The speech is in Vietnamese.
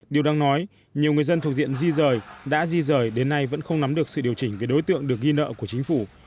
điều đáng nói nhiều người dân thuộc diện di rời đã di rời đến nay vẫn không nắm được sự điều chỉnh về đối tượng được ghi nợ của chính phủ